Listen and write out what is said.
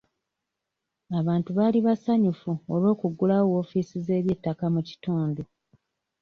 Abantu baali basanyufu olw'okuggulawo woofiisi z'ebyettaka mu kitundu.